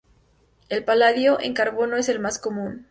El paladio en carbono es el más común.